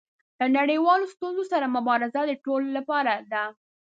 له نړیوالو ستونزو سره مبارزه د ټولو لپاره ده.